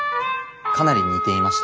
かなり似ていました。